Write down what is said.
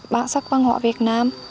bản sắc văn hóa việt nam